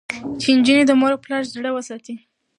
چې نجونې د مور او پلار زړه وساتي.